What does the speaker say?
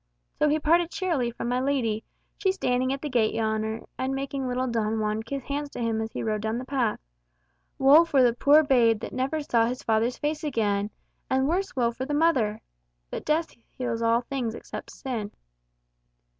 So he parted cheerily from my lady, she standing at the gate yonder, and making little Don Juan kiss hands to him as he rode down the path. Woe for the poor babe, that never saw his father's face again! And worse woe for the mother! But death heals all things, except sin.